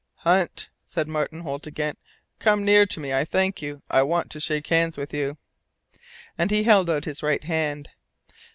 "Hunt," said Martin Holt again, "come near to me. I thank you. I want to shake hands with you." And he held out his right hand.